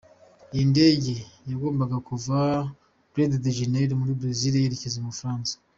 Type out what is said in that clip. Iyi ndege yagombaga kuva Rio De Janeiro muri Brezil yerekeje mu Bufaransa.